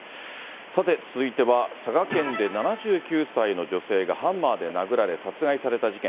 さて、続いては佐賀県で７９歳の女性がハンマーで殴られ殺害された事件。